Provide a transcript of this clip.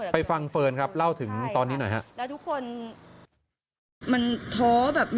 ฟังเฟิร์นครับเล่าถึงตอนนี้หน่อยครับ